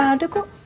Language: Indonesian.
eh ada kok